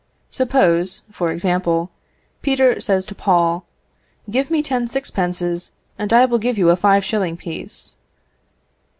Suppose, for example, Peter says to Paul, "Give me ten sixpences, I will give you a five shilling piece."